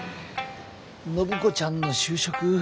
暢子ちゃんの就職。